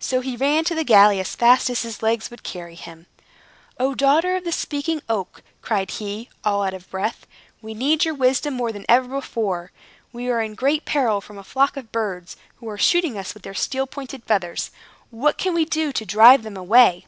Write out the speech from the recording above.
So he ran to the galley as fast as his legs would carry him. "O, daughter of the Speaking Oak," cried he, all out of breath, "we need your wisdom more than ever before! We are in great peril from a flock of birds, who are shooting us with their steel pointed feathers. What can we do to drive them away?"